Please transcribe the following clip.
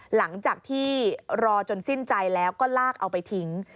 หลังจากที่รอจนสิ้นใจแล้วก็ลากเอาไปทิ้ง